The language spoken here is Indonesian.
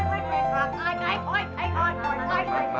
aik kuat kuat kuat